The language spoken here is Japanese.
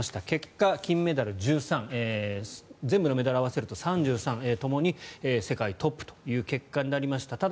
結果、金メダル１３全部のメダルを合わせると３３ともに世界トップという結果になりました。